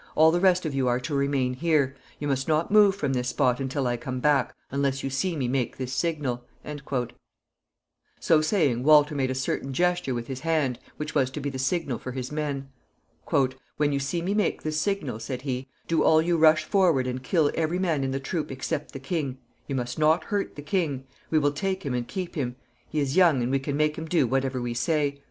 All the rest of you are to remain here. You must not move from this spot until I come back, unless you see me make this signal." So saying, Walter made a certain gesture with his hand, which was to be the signal for his men. "When you see me make this signal," said he, "do you all rush forward and kill every man in the troop except the king. You must not hurt the king. We will take him and keep him. He is young, and we can make him do whatever we say.